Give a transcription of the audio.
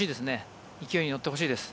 勢いに乗ってほしいですね。